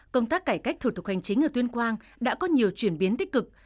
công tác cải cách thủ tục hành chính ở tuyên quang đã có nhiều chuyển biến tích cực